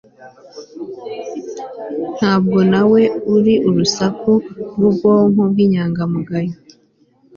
Ntabwo nawe uri urusaku rwubwonko bwinyangamugayo